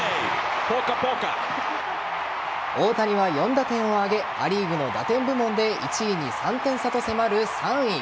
大谷は４打点を挙げア・リーグの打点部門で１位に３点差と迫る３位。